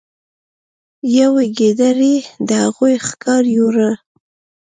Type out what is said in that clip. یوې ګیدړې د هغوی ښکار یووړ.